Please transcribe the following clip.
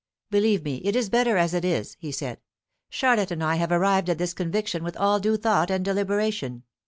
"Believe me, it is better as it is," he said. "Charlotte and I have arrived at this conviction with all due thought and deliberation.